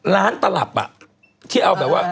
ล้านตลับที่เอาแบบว่า